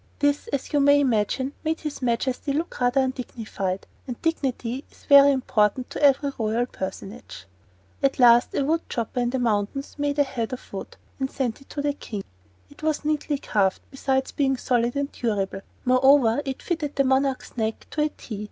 This, as you may imagine, made his Majesty look rather undignified, and dignity is very important to every royal personage. At last a wood chopper in the mountains made a head out of wood and sent it to the King. It was neatly carved, besides being solid and durable; moreover, it fitted the monarch's neck to the T.